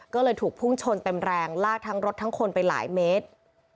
ก็เลยถูกพุ่งชนเต็มแรงลากทั้งรถทั้งคนไปหลายเมตร